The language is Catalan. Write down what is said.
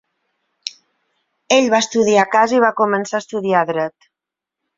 Ell va estudiar a casa i va començar a estudiar dret.